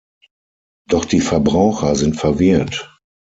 Doch die Verbraucher sind verwirrt.